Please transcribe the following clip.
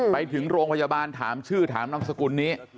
ไปถึงโรงพยาบาลถามชื่อถามนามสกุลนี้